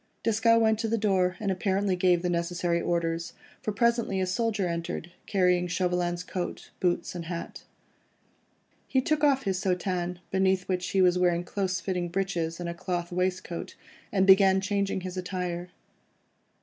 Desgas went to the door, and apparently gave the necessary orders, for presently a soldier entered, carrying Chauvelin's coat, boots, and hat. He took off his soutane, beneath which he was wearing close fitting breeches and a cloth waistcoat, and began changing his attire.